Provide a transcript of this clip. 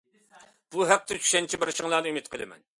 بۇ ھەقتە چۈشەنچە بېرىشىڭلارنى ئۈمىد قىلىمەن.